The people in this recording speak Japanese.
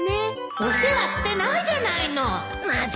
お世話してないじゃないの！まずい。